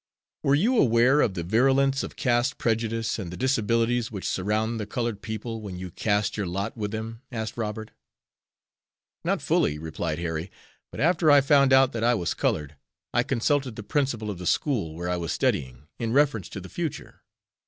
"Were you aware of the virulence of caste prejudice and the disabilities which surround the colored people when you cast your lot with them?" asked Robert. "Not fully," replied Harry; "but after I found out that I was colored, I consulted the principal of the school, where I was studying, in reference to the future.